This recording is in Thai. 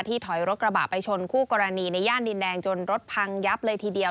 ถอยรถกระบะไปชนคู่กรณีในย่านดินแดงจนรถพังยับเลยทีเดียว